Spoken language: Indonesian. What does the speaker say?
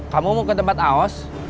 kamu mau ke tempat aos